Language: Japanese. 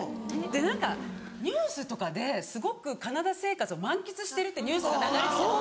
何かニュースとかですごくカナダ生活を満喫してるってニュースが流れてきたの。